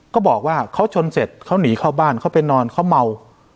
เขาบอกว่าเขาชนเสร็จเขาหนีเข้าบ้านเขาไปนอนเขาเมา